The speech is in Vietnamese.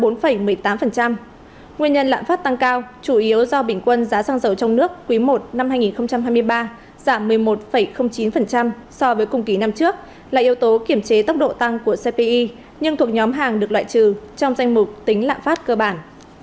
nguyên nhân lạm phát tăng cao chủ yếu do bình quân giá xăng dầu trong nước quý i năm hai nghìn hai mươi ba giảm một mươi một chín so với cùng kỳ năm trước là yếu tố kiểm chế tốc độ tăng của cpi nhưng thuộc nhóm hàng được loại trừ trong danh mục tính lạm phát cơ bản